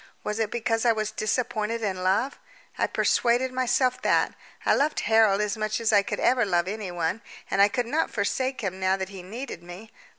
Was it because I was disappointed in love? I persuaded myself that. I loved Harold as much as I could ever love anyone, and I could not forsake him now that he needed me.